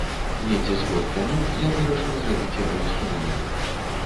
Недзе з год таму я вырашыў зрабіць яго асноўным.